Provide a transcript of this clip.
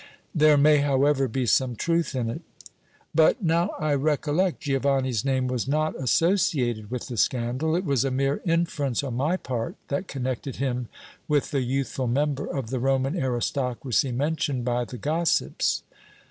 "There may, however, be some truth in it." "But, now I recollect, Giovanni's name was not associated with the scandal; it was a mere inference on my part that connected him with the youthful member of the Roman aristocracy mentioned by the gossips."